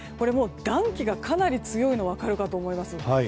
暖気がかなり強いのが分かるかと思います。